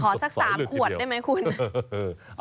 สัก๓ขวดได้ไหมคุณ